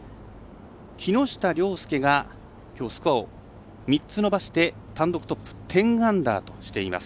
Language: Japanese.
木下稜介がきょうスコアを３つ伸ばして単独トップ１０アンダーとしています。